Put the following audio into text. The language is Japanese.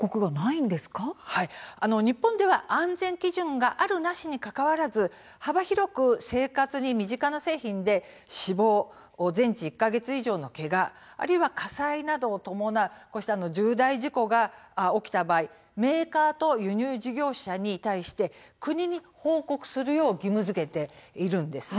はい、日本では安全基準があるなしに関わらず幅広く生活に身近な製品で死亡全治１か月以上のけがあるいは火災などを伴う重大事故が起きた場合メーカーと輸入事業者に対して国に報告するよう義務づけているんです。